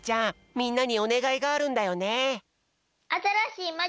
みんなにおねがいがあるんだよね。